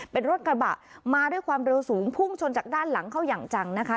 เป็นรถกระบะมาด้วยความเร็วสูงพุ่งชนจากด้านหลังเข้าอย่างจังนะคะ